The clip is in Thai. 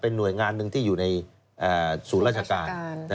หน่วยงานหนึ่งที่อยู่ในศูนย์ราชการ